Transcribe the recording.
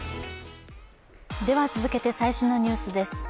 続けて最新のニュースです。